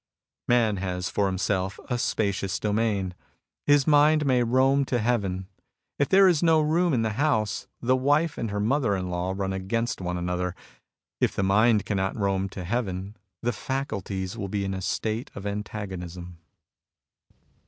Man has for himself a spacious domain. His mind may roam to heaven. If there is no room in the house, the wife and her mother in law run against one another. If the mind cannot roam to heaven, the faculties will be in a state of antagonism.